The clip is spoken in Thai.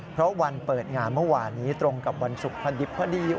เพราะวันเปิดงานเมื่อวานนี้ตรงกับวันศุกร์พอดิบพอดี